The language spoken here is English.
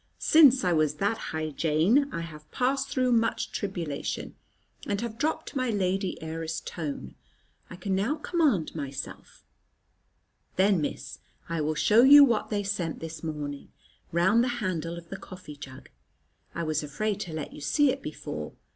Since I was that high, Jane, I have passed through much tribulation, and have dropped my lady heiress tone. I can now command myself." "Then, Miss, I will show you what they sent this morning, round the handle of the coffee jug. I was afraid to let you see it before."